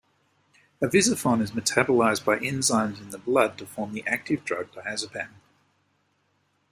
Avizafone is metabolised by enzymes in the blood to form the active drug diazepam.